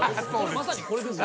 まさにこれですよ。